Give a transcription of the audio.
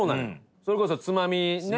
それこそ、つまみねっ。